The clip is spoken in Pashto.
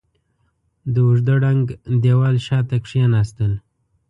د اوږده ړنګ دېوال شاته کېناستل.